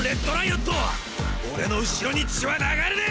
俺の後ろに血は流れねェ！